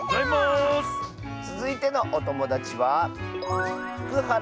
つづいてのおともだちは。